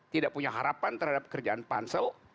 tidak punya harapan terhadap kerjaan pansel